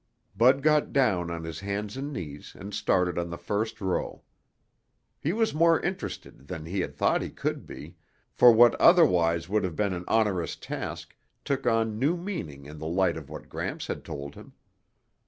Bud got down on his hands and knees and started on the first row. He was more interested than he had thought he could be, for what otherwise would have been an onerous task took on new meaning in the light of what Gramps had told him.